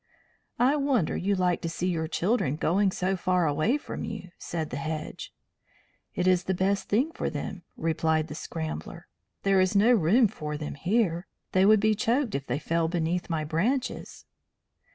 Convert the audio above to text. "I wonder you like to see your children going so far away from you," said the Hedge. "It is the best thing for them," replied the Scrambler. "There is no room for them here. They would be choked if they fell beneath my branches."